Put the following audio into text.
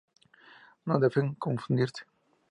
No deben confundirse.